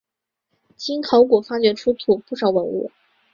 经考古发掘出土不少文物。